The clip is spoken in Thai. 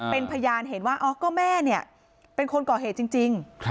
เป็นพยานเห็นว่าอ๋อก็แม่เนี่ยเป็นคนก่อเหตุจริง